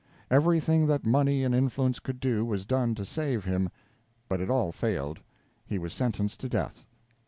Everything that money and influence could do was done to save him, but it all failed; he was sentenced to death.